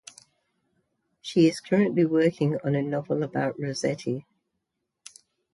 She is currently working on a novel about Rossetti.